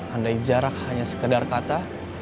andai jarak hanya sekedar kata